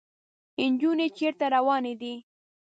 انجونې چېرته روانې دي ؟